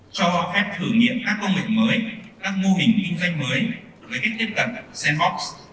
cho phép thử nghiệm các công nghệ mới các mô hình kinh doanh mới với cách tiếp cận sandbox